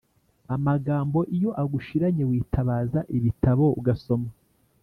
amagambo iyo agushiranye witabaza ibitabo ugasoma